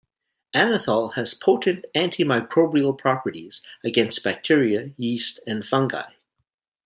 Anethole has potent antimicrobial properties, against bacteria, yeast, and fungi.